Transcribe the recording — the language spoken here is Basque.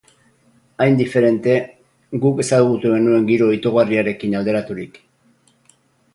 Hain diferente, guk ezagutu genuen giro itogarriarekin alderaturik.